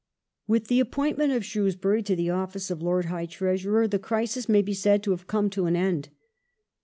With the appointment of Shrewsbury to the office of Lord High Treasurer the crisis may be said to have come to an end.